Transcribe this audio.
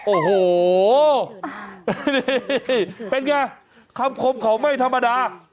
โอ้โฮเป็นไงคำคมของไม่ธรรมดา